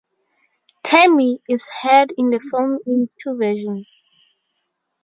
"Tammy" is heard in the film in two versions.